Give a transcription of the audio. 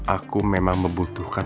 aku yang mah mungkin